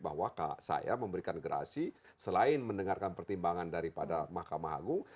bahwa saya memberikan gerasi selain mendengarkan pertimbangan daripada mahkamah agung